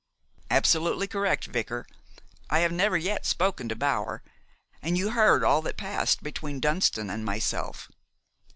"Absolutely correct, vicar. I have never yet spoken to Bower, and you heard all that passed between Dunston and myself."